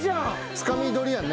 つかみ捕りやんね。